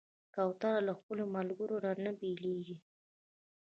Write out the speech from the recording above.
کوتره له خپل ملګري نه نه بېلېږي.